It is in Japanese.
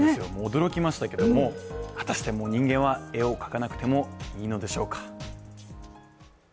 驚きましたけれども、果たしてもう人間は絵を描かなくていいのでしょうか。